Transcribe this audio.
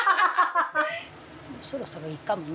そろそろいいかもね。